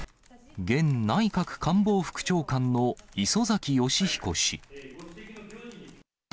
元内閣官房副長官の磯崎仁彦氏。